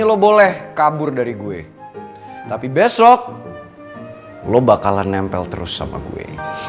lo bakalan nempel terus sama gue